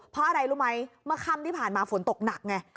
เพราะอะไรรู้ไหมเมื่อค่ำที่ผ่านมาฝนตกหนักไง